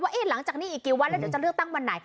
หลังจากนี้อีกกี่วันแล้วเดี๋ยวจะเลือกตั้งวันไหน